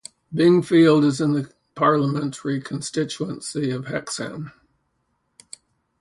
Bingfield is in the parliamentary constituency of Hexham.